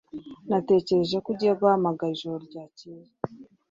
Natekereje ko ugiye guhamagara ijoro ryakeye.